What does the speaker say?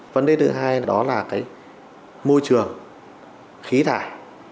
vấn đề thứ hai đó là cái môi trường khí thải